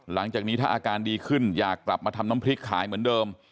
หลังจากนี้ถ้าอาการดีขึ้นอยากกลับมาทำน้ำพริกขายเหมือนเดิม